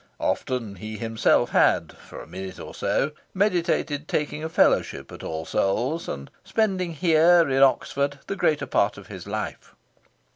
Often he himself had (for a minute or so) meditated taking a fellowship at All Souls and spending here in Oxford the greater part of his life.